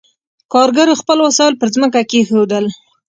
کارګرو خپل وسایل پر ځمکه کېښودل.